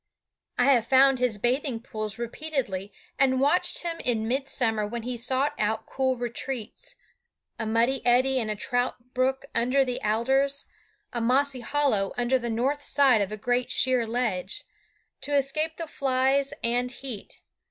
I have found his bathing pools repeatedly, and watched him in midsummer when he sought out cool retreats a muddy eddy in a trout brook under the alders, a mossy hollow under the north side of a great sheer ledge to escape the flies and heat.